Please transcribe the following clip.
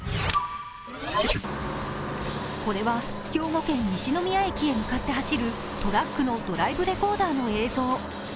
これは兵庫県西宮駅に向かって走るトラックのドライブレコーダーの映像。